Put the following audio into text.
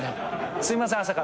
すいません朝から。